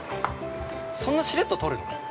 ◆そんなしれっと撮る？